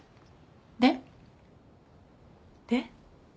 で？で？